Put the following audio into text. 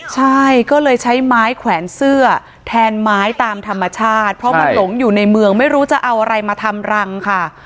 ใช่ก็เลยใช้ไม้แขวนเสื้อแทนไม้ตามธรรมชาติเพราะมันหลงอยู่ในเมืองไม่รู้จะเอาอะไรมาทำรังค่ะ